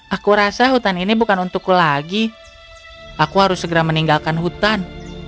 aku rasa hutan ini bukan untukku lagi aku harus segera meninggalkan hutan